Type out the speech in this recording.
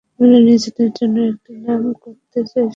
আমরা নিজেদের জন্য একটি নাম করতে চেয়েছিলাম।